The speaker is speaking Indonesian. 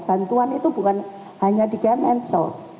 bantuan itu bukan hanya di kemensos